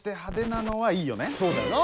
そうだよな？